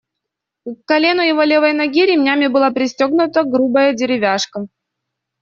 К колену его левой ноги ремнями была пристегнута грубая деревяшка.